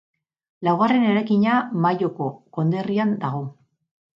Laugarren eraikina Mayoko konderrian dago.